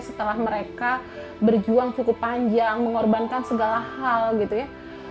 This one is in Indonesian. setelah mereka berjuang cukup panjang mengorbankan segala hal gitu ya